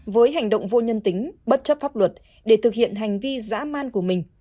với hành động vô nhân tính bất chấp pháp luật để thực hiện hành vi giã man của mình